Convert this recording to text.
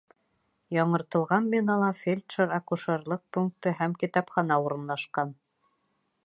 Яңыртылған бинала фельдшер-акушерлыҡ пункты һәм китапхана урынлашҡан.